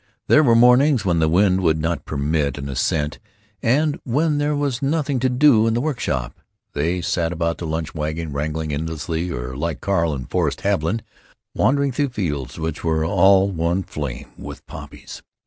There were mornings when the wind would not permit an ascent and when there was nothing to do in the workshop. They sat about the lunch wagon wrangling endlessly, or, like Carl and Forrest Haviland, wandered through fields which were all one flame with poppies.